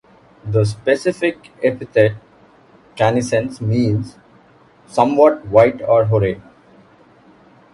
The specific epithet ("canescens") means "somewhat white or hoary".